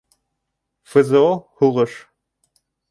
ФЗО, һуғыш.